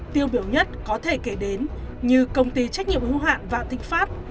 tiêu biểu nhất có thể kể đến như công ty trách nhiệm hưu hạn vã tĩnh pháp